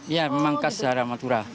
iya memang khas madura